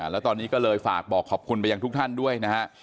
แล้วตอนนี้ก็เลยฝากบอกขอบคุณไปยังทุกท่านด้วยนะฮะ